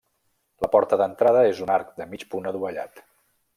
La porta d'entrada és un arc de mig punt adovellat.